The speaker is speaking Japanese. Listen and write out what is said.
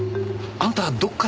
あんたどっかで。